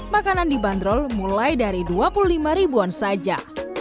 makanan dibanderol mulai dari dua puluh lima ribuan saja